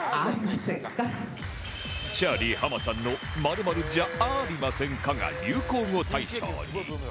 チャーリー浜さんの「○○じゃありませんか」が流行語大賞に